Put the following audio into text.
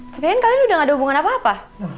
tapi kan kalian udah gak ada hubungan apa apa